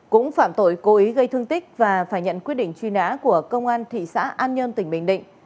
cũng phạm tội cố ý gây thương tích và phải nhận quyết định truy nã của công an thị xã an nhơn tỉnh bình định